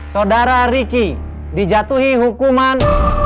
saudara riki dijatuhi hukuman